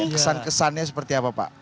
kesan kesannya seperti apa pak